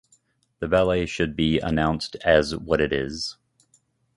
The ballet should be announced as what it is.